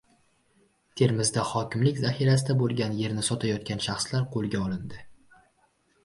Termizda hokimlik zaxirasida bo‘lgan yerni sotayotgan shaxslar qo‘lga olindi